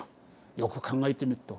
よく考えてみっと。